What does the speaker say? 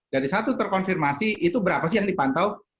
dari satu terkonfirmasi itu berapa sih yang dipantau